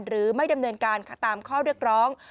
หรือไม่ดำเนินการตามข้อเรียกร้อง